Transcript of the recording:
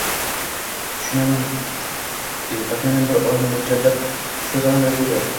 Tahminan bir oyni mo‘ljallab, shu sanada dedi.